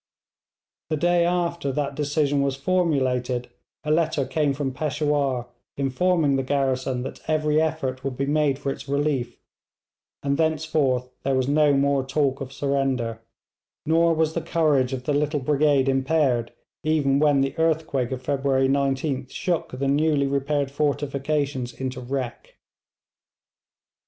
The day after that decision was formulated a letter came from Peshawur informing the garrison that every effort would be made for its relief; and thenceforth there was no more talk of surrender, nor was the courage of the little brigade impaired even when the earthquake of February 19th shook the newly repaired fortifications into wreck.